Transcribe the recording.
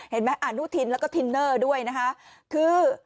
เห็นไหมอนุทินและก็ทินเนอร์ด้วยนะคะ